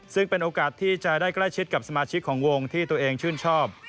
ซึ่งเป็นโอกาสที่จะได้ใกล้ชิดกับสมาชิกของวงที่ตัวเองชื่นชอบ